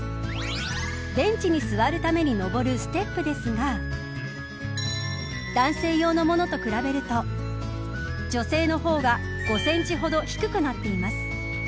ベンチに座るために上るステップですが男性用のものと比べると女性の方が５センチほど低くなっています。